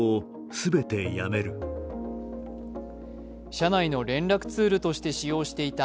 社内の連絡ツールとして使用していた